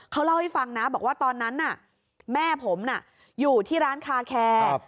เขาเล่าให้ฟังนะบอกว่าตอนนั้นแม่ผมอยู่ที่ร้านคาแคร์